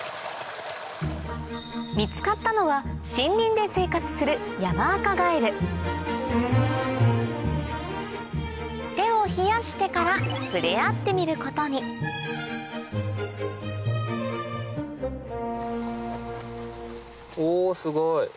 見つかったのは森林で生活する手を冷やしてから触れ合ってみることにおすごい。